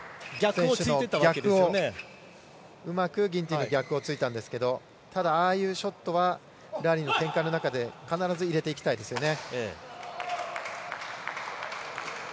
うまくギンティンの逆をついたんですけどただ、ああいうショットはラリーの展開の中で必ず入れていきたいですね。